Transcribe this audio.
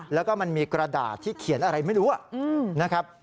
แล้วก็มันมีกระดาษที่เขียนอะไรไม่รู้นะครับ